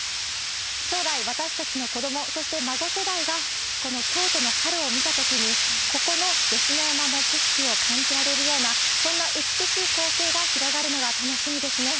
将来、私たちの子ども、そして孫世代が、この京都の春を見たときに、ここの吉野山の景色を感じられるような、そんな美しい光景が広がるのが楽しみですね。